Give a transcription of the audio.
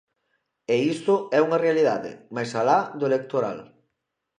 E iso é unha realidade, máis alá do electoral.